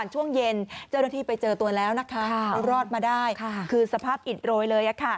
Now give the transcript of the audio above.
เจ้าหน้าที่ไปเจอตัวแล้วนะครับรอดมาได้คือสภาพอิดโรยเลย